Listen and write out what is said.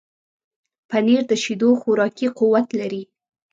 پنېر د شیدو خوراکي قوت لري.